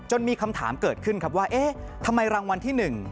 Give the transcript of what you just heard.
มีคำถามเกิดขึ้นครับว่าเอ๊ะทำไมรางวัลที่๑